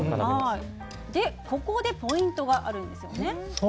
ここでポイントがあるんですよね。